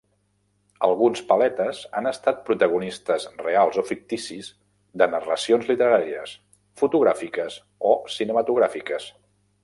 Alguns paletes han estat protagonistes reals o ficticis de narracions literàries, fotogràfiques o cinematogràfiques.